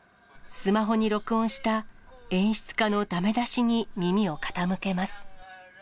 スマホに録音した演出家のだめ出しに耳を傾けます。